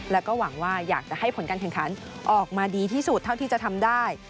แล้วก็หวังว่าอยากจะให้ผลการแข่งขันออกมาดีที่สุดเท่าที่จะทำได้